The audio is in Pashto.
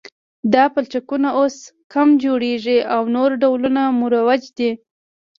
دا پلچکونه اوس کم جوړیږي او نور ډولونه مروج دي